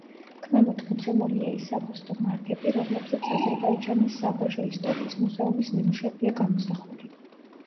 ქვემოთ მოცემულია ის საფოსტო მარკები, რომლებზეც აზერბაიჯანის საბაჟო ისტორიის მუზეუმის ნიმუშებია გამოსახული.